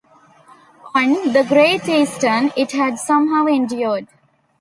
On "The Great Eastern", it had somehow endured.